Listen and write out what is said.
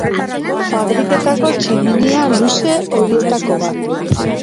Fabriketako tximinia luze horietako bat.